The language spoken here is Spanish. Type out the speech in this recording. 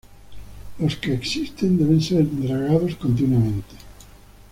Los que existen, deben ser dragados continuamente.